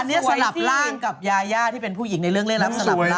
อันนี้สลับร่างกับยาย่าที่เป็นผู้หญิงในเรื่องเล่นลับสลับร่าง